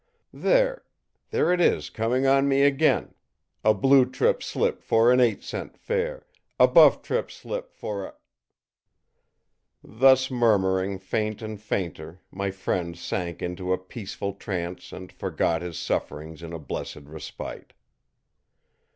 There there it is coming on me again: a blue trip slip for an eight cent fare, a buff trip slip for a î Thus murmuring faint and fainter, my friend sank into a peaceful trance and forgot his sufferings in a blessed respite.